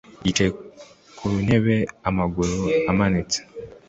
Yicaye ku ntebe amaguru amanitse.